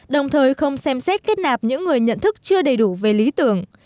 đồng thời không xem xét kết nạp những người nhận thức chưa đầy đủ về lý tưởng